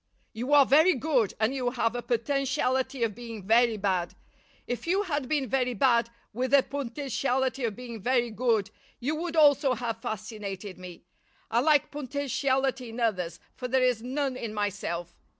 "You are very good, and you have a potentiality of being very bad. If you had been very bad, with a potentiality of being very good, you would also have fascinated me. I like potentiality in others, for there is none in myself.